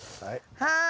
はい。